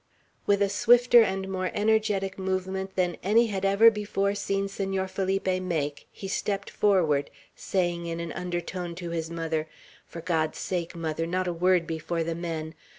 With a swifter and more energetic movement than any had ever before seen Senor Felipe make, he stepped forward, saying in an undertone to his mother, "For God's sake, mother, not a word before the men!